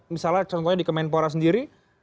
misalnya contohnya di kemenpora sendiri